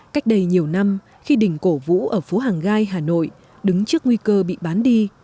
cách đây nhiều năm khi đình cổ vũ ở phố hàng gai hà nội đứng trước nguy cơ bị bán đi